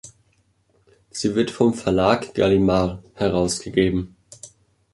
Sie wird vom Verlag Gallimard herausgegeben.